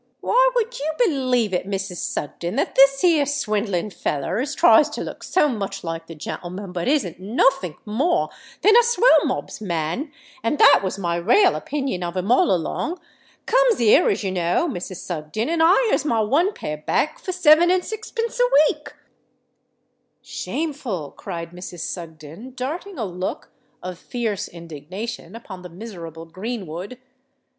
Why, would you believe it, Mrs. Sugden, that this here swindling feller as tries to look so much like the gentleman, but isn't nothink more than a Swell Mob's man—and that was my rale opinion of him all along—comes here, as you know, Mrs. Sugden, and hires my one pair back for seven and sixpence a week——" "Shameful!" cried Mrs. Sugden, darting a look of fierce indignation upon the miserable Greenwood.